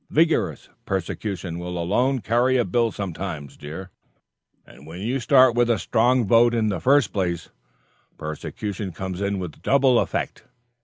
Vigorous persecution will alone carry a bill sometimes, dear; and when you start with a strong vote in the first place, persecution comes in with double effect.